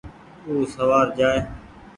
او سوآر جآئي۔